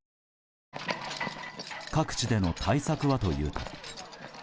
各地での対策はというと。